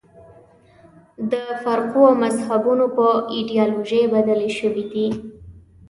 د فرقو او مذهبونو په ایدیالوژۍ بدلې شوې دي.